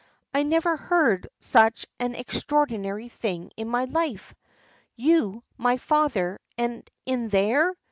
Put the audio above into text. I never heard such an extraordinary thing in my life. You my father; and in there!